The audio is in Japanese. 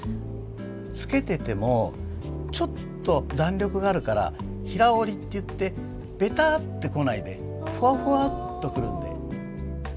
着けててもちょっと弾力があるから平織りっていってべたってこないでふわふわっとくるんで。